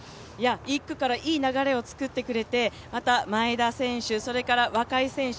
１区からいい流れを作ってくれて、また前田選手、それから若井選手。